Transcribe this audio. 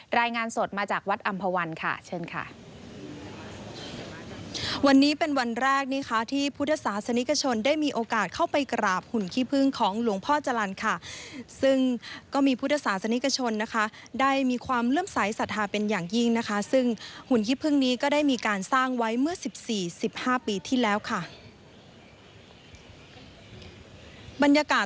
รายงานสดมาจากวัดอำภาวันย์ค่ะเชิญค่ะวันนี้เป็นวันแรกนี้ค่ะที่พุทธศาสนิกชนได้มีโอกาสเข้าไปกราบหุ่นขี้พึงของหลวงพ่อจรรย์ค่ะซึ่งก็มีพุทธศาสนิกชนนะคะได้มีความเริ่มใสสัทธาเป็นอย่างยิ่งนะคะซึ่งหุ่นขี้พึงนี้ก็ได้มีการสร้างไว้เมื่อสิบสี่สิบห้าปีที่แล้วค่ะบรรยาก